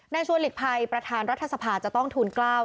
ชัวร์หลีกภัยประธานรัฐสภาจะต้องทูลกล้าว